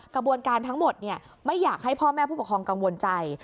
กระบวนการทั้งหมดไม่อยากให้พ่อแม่ผู้ปกครองกังวลใจ